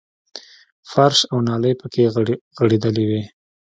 فرش او نالۍ پکې غړېدلې وې.